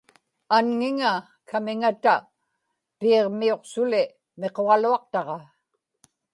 anŋiŋa kamiŋata piiġmiuqsuli miquġaluaqtaġa